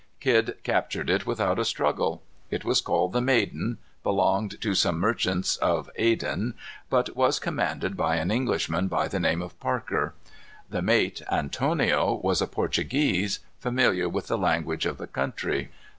Kidd captured it without a struggle. It was called the Maiden, belonged to some merchants of Aden, but was commanded by an Englishman by the name of Parker. The mate, Antonio, was a Portuguese, familiar with the language of the country.